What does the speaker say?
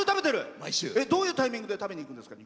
どういうタイミングで食べに行くんですか？